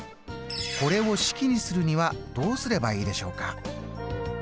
これを式にするにはどうすればいいでしょうか？